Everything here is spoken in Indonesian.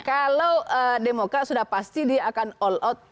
kalau demokrat sudah pasti dia akan all out